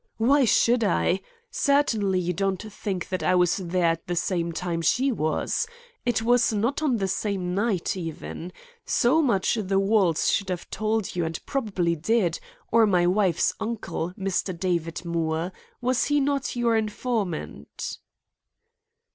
"Why should I? Certainly, you don't think that I was there at the same time she was. It was not on the same night, even. So much the walls should have told you and probably did, or my wife's uncle, Mr. David Moore. Was he not your informant?"